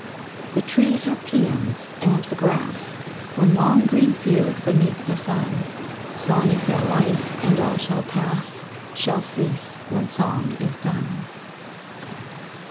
The trees are pæans; and the grass One long green fugue beneath the sun Song is their life; and all shall pass, Shall cease, when song is done.